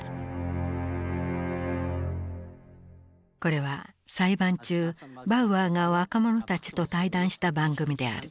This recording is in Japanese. これは裁判中バウアーが若者たちと対談した番組である。